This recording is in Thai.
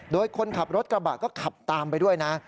โดยคนขับรถกระบะก็ขับตามไปด้วยนะ